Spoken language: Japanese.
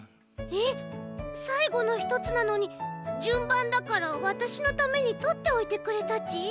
えっさいごの１つなのにじゅんばんだからわたしのためにとっておいてくれたち？